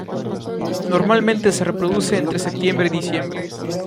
Normalmente se reproduce entre septiembre y diciembre.